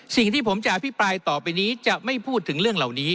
สิ่งที่ผมจะอภิปรายต่อไปนี้จะไม่พูดถึงเรื่องเหล่านี้